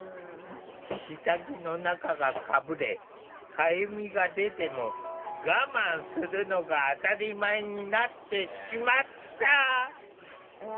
下着の中がかぶれかゆみが出ても我慢するのが当たり前になってしまった。